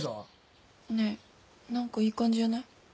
ねえ何かいい感じじゃない？